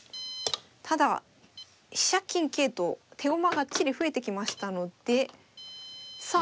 ただ飛車金桂と手駒があっちに増えてきましたのでさあ